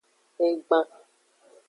Egban.